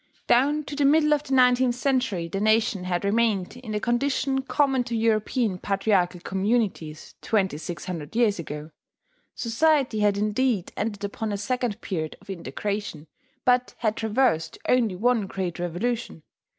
Down to the middle of the nineteenth century the nation had remained in the condition common to European patriarchal communities twenty six hundred years ago: society had indeed entered upon a second period of integration, but had traversed only one great revolution.